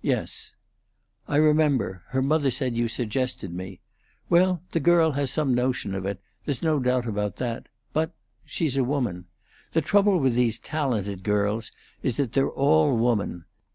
"Yes." "I remember. Her mother said you suggested me. Well, the girl has some notion of it; there's no doubt about that. But she's a woman. The trouble with these talented girls is that they're all woman.